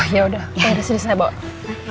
yaudah toilet disini saya bawa